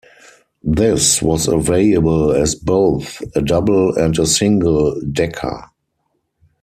This was available as both a double and single decker.